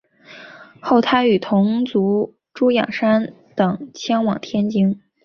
后他与同族朱仰山等迁往天津。